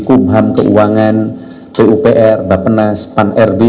kumham keuangan pupr bapenas pan rb